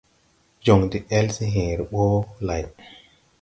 Jɔŋ de-ɛl se hẽẽre ɓɔ lay.